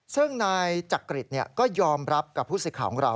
ซึ่งนายจักริตก็ยอมรับกับผู้สิทธิ์ของเรา